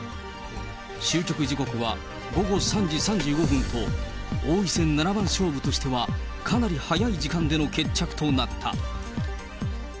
終局時刻は午後３時３５分と、王位戦七番勝負としてはかなり早い時間での決着となった。